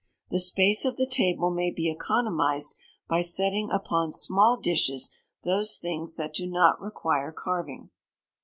The space of the table may be economised by setting upon small dishes those things that do not require carving.